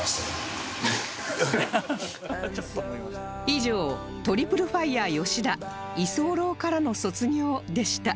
以上トリプルファイヤー吉田居候からの卒業でした